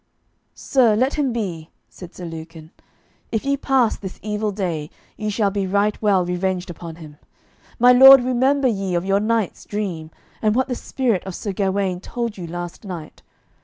"Sir, let him be," said Sir Lucan. "If ye pass this evil day, ye shall be right well revenged upon him. My lord remember ye of your night's dream, and what the spirit of Sir Gawaine told you last night.